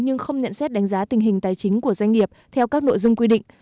nhưng không nhận xét đánh giá tình hình tài chính của doanh nghiệp theo các nội dung quy định